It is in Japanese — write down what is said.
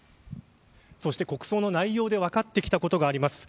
そして国葬の内容で分かってきたことがあります。